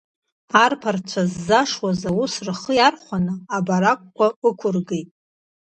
Арԥарцәа ззашшуаз аус рхы иархәаны, абаракқәа ықәыргеит.